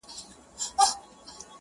د ظالم لور ـ